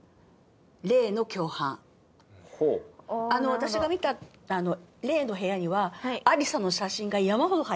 私が見た玲の部屋にはアリサの写真が山ほど張ってあったんで。